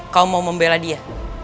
kau mau membela dia